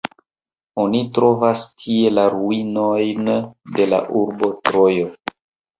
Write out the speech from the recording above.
Oni trovas tie la ruinojn de la urbo Trojo.